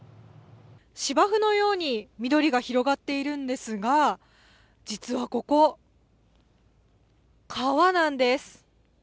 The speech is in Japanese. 芝生のように緑が広がっているんですが実はここ、川なんです。